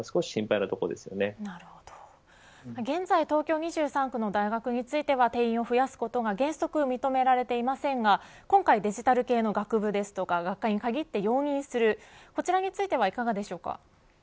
なるほど、現在東京２３区の大学については定員を増やすことが原則認められていませんが今回デジタル系の学部ですとか学科に限って容認するこちらについてはいかがですか。